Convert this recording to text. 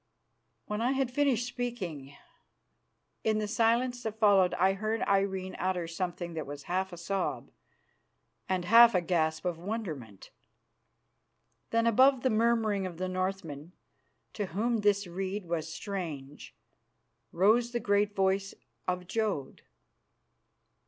When I had finished speaking, in the silence that followed I heard Irene utter something that was half a sob and half a gasp of wonderment. Then above the murmuring of the Northmen, to whom this rede was strange, rose the great voice of Jodd.